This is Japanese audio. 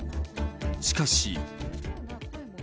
しかし。